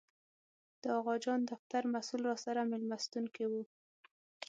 د اغاخان دفتر مسوول راسره مېلمستون کې و.